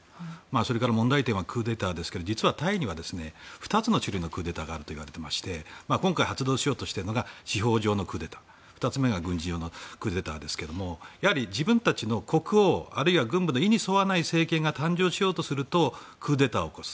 それから問題点はクーデターですけど実はタイには、２つの種類のクーデターがあるといわれていまして今回発動しようとしているのが司法上のクーデター２つ目が軍事上のクーデターですが自分たちの国王、あるいは軍部の意に沿わない政権が誕生しようとするとクーデターを起こす。